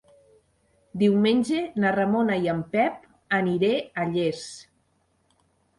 Diumenge na Ramona i en Pep aniré a Llers.